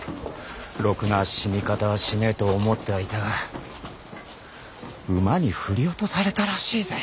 ろくな死に方はしねえと思ってはいたが馬に振り落とされたらしいぜ。